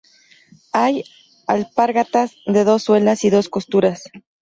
Hay alpargatas de dos suelas y dos costuras.